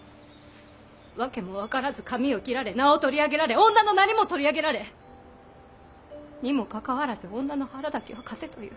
わけも分からず髪を切られ名を取り上げられ女のなりも取り上げられにもかかわらず女の腹だけは貸せという。